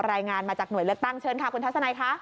รายงานมาจากหน่วยเลือกตั้งเชิญค่ะคุณทัศนัยค่ะ